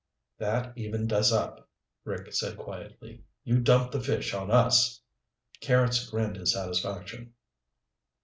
"That evened us up," Rick said quietly. "You dumped the fish on us." Carrots grinned his satisfaction.